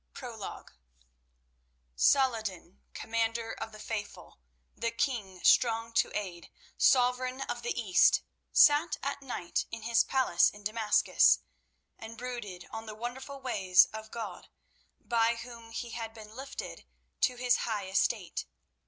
PROLOGUE Salah ed din, Commander of the Faithful, the king Strong to Aid, Sovereign of the East, sat at night in his palace at Damascus and brooded on the wonderful ways of God, by Whom he had been lifted to his high estate.